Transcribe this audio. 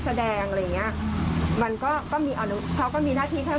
ตรงนี้แอนก็ชัดเจนเขาก็ไม่ควรเข้าไป